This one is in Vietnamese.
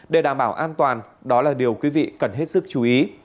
để đảm bảo an toàn đó là điều quý vị cần hết sức chú ý